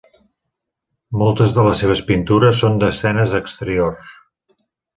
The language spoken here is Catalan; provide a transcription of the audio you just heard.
Moltes de les seves pintures són d'escenes exteriors.